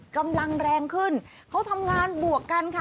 กำลังแรงขึ้นเขาทำงานบวกกันค่ะ